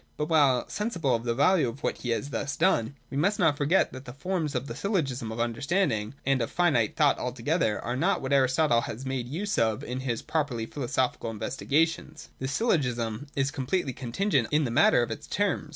But while sensible of the value of what he has thus done, we must not forget that the forms of the syllogism of understanding, and of finite thought altogether, are not what Aristotle has made use of in his properly philosophical investigations. (See § 189.) 184.] This syllogism is completely contingent (a) in the matter of its terms.